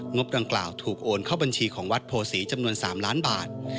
งบดังกล่าวถูกโอนเข้าบัญชีของวัดโพศีจำนวน๓ล้านบาท